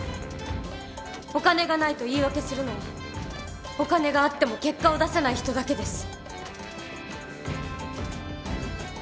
お金がないと言い訳するのはお金があっても結果を出せない人だけです。